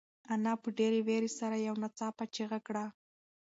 انا په ډېرې وېرې سره یو ناڅاپه چیغه کړه.